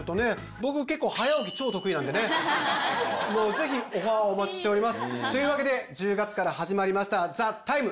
僕結構早起き超得意なんでねもうぜひオファーをお待ちしておりますというわけで１０月から始まりました「ＴＨＥＴＩＭＥ，」